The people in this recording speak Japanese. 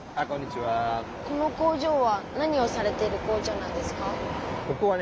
この工場は何をされている工場なんですか？